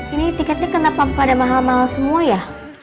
ini tiketnya kenapa pada mahal mahal semua ya